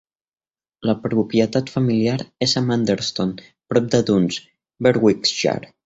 La propietat familiar és a Manderston, prop de Duns, Berwickshire.